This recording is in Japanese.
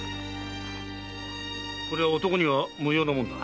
これは男には無用なもんだ。